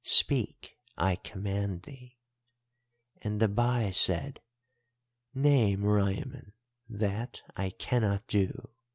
Speak, I command thee.' "And the Bai said: 'Nay, Meriamun, that I cannot do.